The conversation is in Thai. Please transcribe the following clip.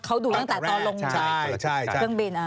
เขาดูตั้งแต่ตอนลงจากเครื่องบิน